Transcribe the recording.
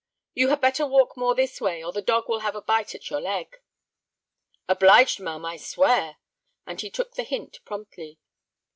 "You had better walk more this way or the dog will have a bite at your leg." "Obliged, ma'am, I swear," and he took the hint promptly.